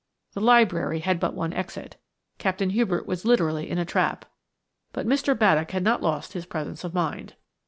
The library had but one exit. Captain Hubert was literally in a trap. But Mr. Baddock had not lost his presence of mind.